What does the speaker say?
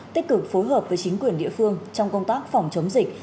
tích cực phối hợp với chính quyền địa phương trong công tác phòng chống dịch